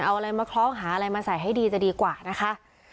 เอาอะไรมาคล้องหาอะไรมาใส่ให้ดีจะดีกว่านะคะ